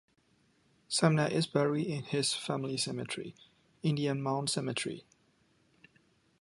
Sumner is buried in his family cemetery, Indian Mound Cemetery.